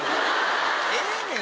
ええねん